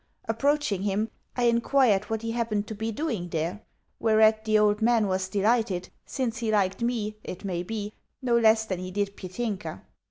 Approaching him, I inquired what he happened to be doing there; whereat the old man was delighted, since he liked me (it may be) no less than he did Petinka.